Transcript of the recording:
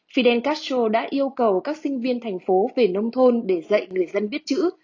fidel castro đã yêu cầu các sinh viên thành phố về nông thôn để dạy người dân biết chữ